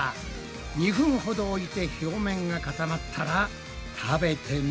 ２分ほど置いて表面が固まったら食べてみるぞ。